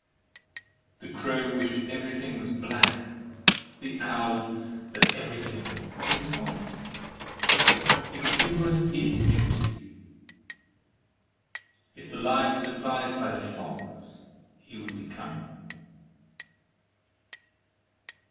The crow wished everything was black; the owl that everything was white. Exuberance is Beauty. If the lion was advised by the fox, he would be cunning.